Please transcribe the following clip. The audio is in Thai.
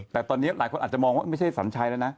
แต่ตอนนี้หลายคนอาจจะมองว่าไม่ใช่สัญชัยแล้วนะ